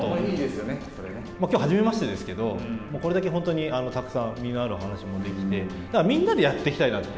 きょうはじめましてですけど、これだけ本当にたくさん実のある話もできて、みんなでやっていきたいなって。